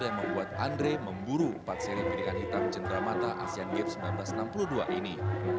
yang membuat andre memburu empat seri pirikan hitam cenderamata asean games seribu sembilan ratus enam puluh dua ini